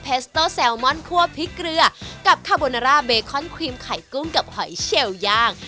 สโต้แซลมอนคั่วพริกเกลือกับคาโบนาร่าเบคอนครครีมไข่กุ้งกับหอยเชลย่าง